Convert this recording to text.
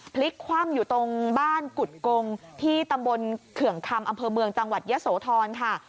พลิกคว่ำอยู่ตรงบ้านกุฎกงที่ตำบลเขื่องคำอำเภอเมืองจังหวัดยะโสธรค่ะ